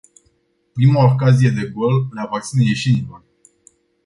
Prima ocazie de gol le aparține ieșenilor.